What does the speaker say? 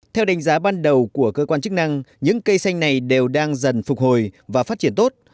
theo đánh giá ban đầu của cơ quan chức năng những cây xanh này đều đang dần phục hồi và phát triển tốt